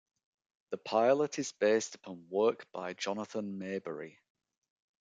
The pilot is based upon work by Jonathan Maberry.